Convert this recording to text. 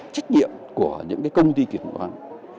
trách nhiệm của những công ty kiểm toán